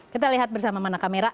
kita lihat bersama mana kamera